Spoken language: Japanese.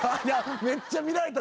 めっちゃ見られた。